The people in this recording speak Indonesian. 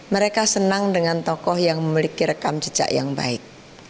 mereka senang dengan tokoh yang memiliki rekam jejak yang baik